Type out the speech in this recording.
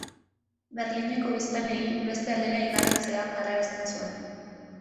Berlineko biztanleei beste aldera igarotzea galarazten zuen.